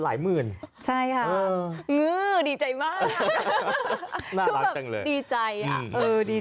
สวัสดีสวัสดีสวัสดีสวัสดีสวัสดีสวัสดี